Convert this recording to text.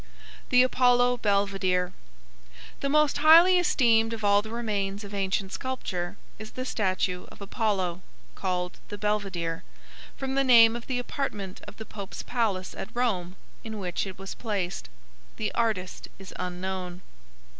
THE APOLLO BELVEDERE The most highly esteemed of all the remains of ancient sculpture is the statue of Apollo, called the Belvedere, from the name of the apartment of the Pope's palace at Rome in which it was placed. The artist is unknown.